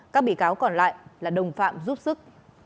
các bị cáo còn lại là đồng phạm giúp sức